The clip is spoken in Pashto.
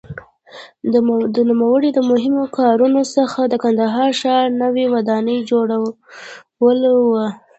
د نوموړي د مهمو کارونو څخه د کندهار ښار نوې ودانۍ جوړول وو.